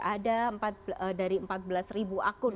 ada dari empat belas ribu akun